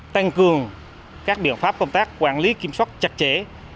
tăng cường các biện pháp công tác quản lý kiểm soát chặt chẽ